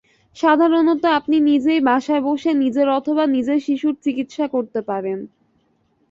সাধারণত আপনি নিজেই বাসায় বসে নিজের অথবা নিজের শিশুর চিকিৎসা করতে পারেন।